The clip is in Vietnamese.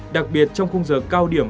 đặc biệt trong khung giờ cao điểm